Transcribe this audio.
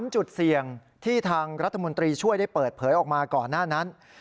จุดเสี่ยงที่ทางรัฐมนตรีช่วยได้เปิดเผยออกมาก่อนหน้านั้น